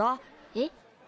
えっ？